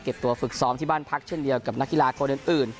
ตัวฝึกซ้อมที่บ้านพักเช่นเดียวกับนักกีฬาคนอื่น